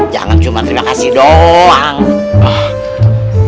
jangan cuma terima kasih doang